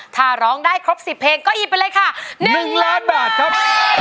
ถ้าร้องได้ครบ๑๐เพลงก็หยิบไปเลยค่ะ๑ล้านบาทครับ